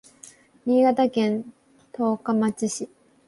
新潟県十日町市